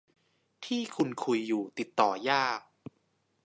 ที่คุณคุยอยู่ติดต่อยาก